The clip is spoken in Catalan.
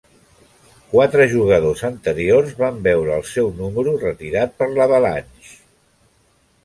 Quatre jugadors anteriors van veure el seu número retirat per l"Avalanche.